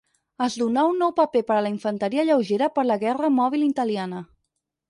Es donà un nou paper per a la infanteria lleugera per la guerra mòbil italiana.